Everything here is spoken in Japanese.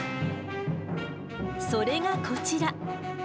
それがこちら。